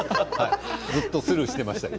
ずっとスルーしていましたが。